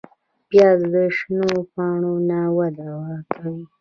پیاز د شنو پاڼو نه وده کوي